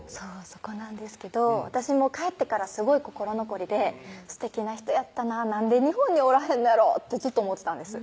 そこなんですけど私も帰ってからすごい心残りですてきな人やったななんで日本におらへんのやろってずっと思ってたんです